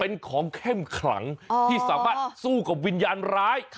เป็นของเข้มขลังที่สามารถสู้กับวิญญาณร้าย